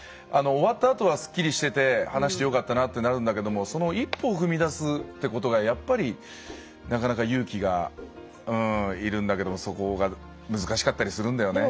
終わったあとはすっきりしてて話してよかったなってなるんだけどもその一歩を踏み出すってことがやっぱりなかなか勇気がいるんだけどもそこが難しかったりするんだよね。